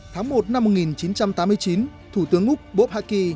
tháng một năm một nghìn chín trăm tám mươi chín thủ tướng úc bob hatchett